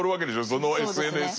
そのＳＮＳ。